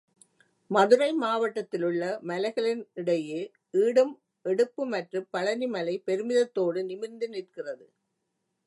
மதுரை மாவட்டத்திலுள்ள மலைகளினிடையே ஈடும் எடுப்புமற்றுப் பழனிமலை பெருமிதத்தோடு நிமிர்ந்து நிற்கிறது.